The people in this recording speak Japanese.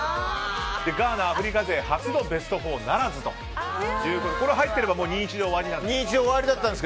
ガーナ、アフリカ勢初のベスト４ならずということで入っていれば２−１で終わりなんです。